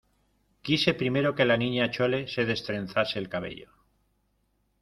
quise primero que la Niña Chole se destrenzase el cabello